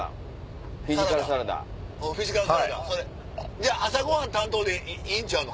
じゃあ朝ごはん担当でいいんちゃうの？